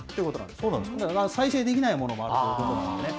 再生できないものもあるということなんですね。